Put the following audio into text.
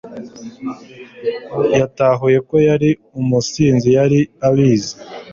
yatahuye ko yari umusinzi. yari abizi